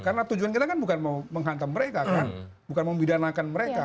karena tujuan kita kan bukan mau menghantam mereka kan bukan mau memidanakan mereka